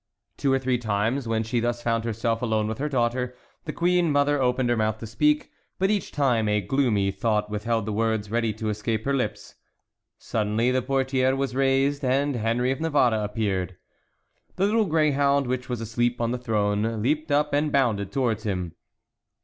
Two or three times, when she thus found herself alone with her daughter, the queen mother opened her mouth to speak, but each time a gloomy thought withheld the words ready to escape her lips. Suddenly the portière was raised, and Henry of Navarre appeared. The little greyhound, which was asleep on the throne, leaped up and bounded towards him.